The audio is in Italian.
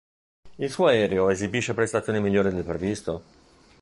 Il suo aereo esibisce prestazioni migliori del previsto?